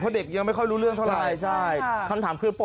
เพราะเด็กยังไม่ค่อยรู้เรื่องเท่าไหร่ใช่คำถามคือ